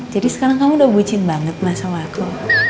jadi sekarang kamu udah bucin banget sama aku